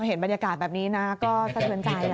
เห็นบรรยากาศแบบนี้นะก็สะเทือนใจ